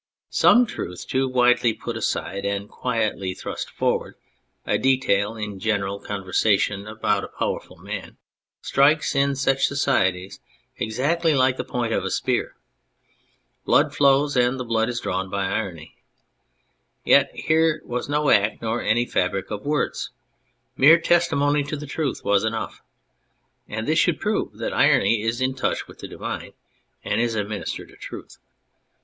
Some truth too widely put aside and quietly thrust forward, a detail in general conversa tion about a powerful man strikes, in such societies, exactly like the point of a spear. Blood flows : and the blood is drawn by irony. Yet was here no act nor any fabric of words. Mere testimony to the truth was enough : and this should prove that irony is in touch with the divine and is a minister to truth.